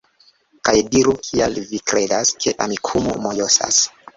Kaj diru kial vi kredas, ke Amikumu mojosas